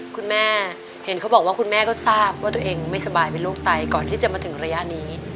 คุณแม่เห็นเขาบอกว่าคุณแม่ก็ทราบว่าตัวเองไม่สบายเป็นโรคไตก่อนที่จะมาถึงระยะนี้